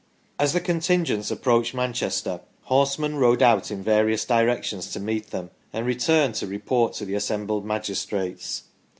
As the contingents approached Manchester, horsemen rode out in various directions to meet them and returned to report to the assembled magistrates.